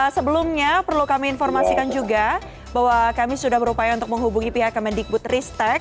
sebelumnya perlu kami informasikan juga bahwa kami sudah berupaya untuk menghubungi pihak kemendikbud ristek